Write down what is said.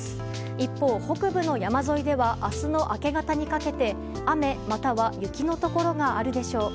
一方、北部の山沿いでは明日の明け方にかけて雨または雪のところがあるでしょう。